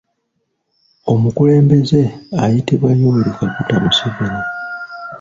Omukulembeze ayitibwa Yoweri Kaguta Museven.